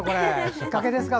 引っ掛けですか？